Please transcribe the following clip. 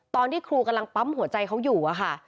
ตอนที่ครูกำลังปั๊มหัวใจเขาอยู่อะค่ะ